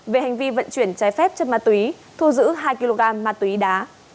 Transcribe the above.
về hành vi vận chuyển trái phép chất ma túy thu giữ hai kg ma túy đá